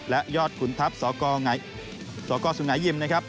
และยอดขุนทัพสกสุงหายิมนะครับ